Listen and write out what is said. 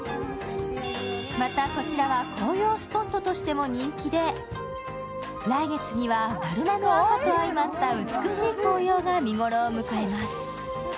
また、こちらは紅葉スポットとしても人気で、来月には、だるまの赤とあいまった美しい紅葉が見頃を迎えます。